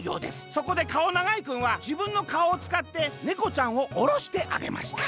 そこでかおながいくんはじぶんのかおをつかってねこちゃんをおろしてあげました」。